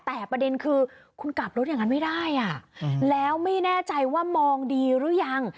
แต่ประเด็นคือคุณกลับรถอย่างนั้นไม่ได้อ่ะแล้วไม่แน่ใจว่ามองดีหรือยัง